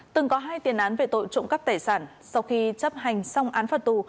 từng có hai tiền án về tội trộm cắp tài sản sau khi chấp hành xong án phạt tù